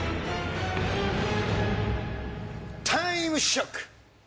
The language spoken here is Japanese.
タイムショック！